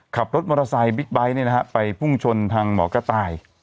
ขับรถมอเตอร์ไซค์บิ๊กไบท์ไปพุ่งชนทางหมอกระต่าย